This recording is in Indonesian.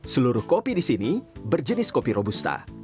seluruh kopi di sini berjenis kopi robusta